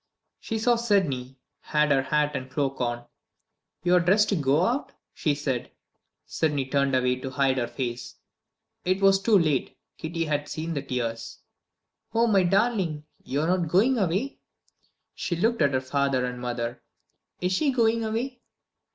She saw that Sydney had her hat and cloak on. "You're dressed to go out," she said. Sydney turned away to hide her face. It was too late; Kitty had seen the tears. "Oh, my darling, you're not going away!" She looked at her father and mother. "Is she going away?"